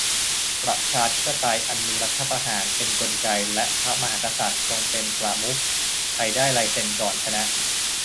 ประชาธิปไตยอันมีรัฐประหารเป็นกลไกและพระมหากษัตริย์ทรงเป็นประมุข ใครได้ลายเซ็นก่อนชนะ